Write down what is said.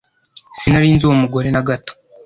sinari nzi uwo mugore na gato